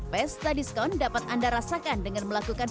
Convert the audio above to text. pesta diskon dapat anda rasakan dengan melakukan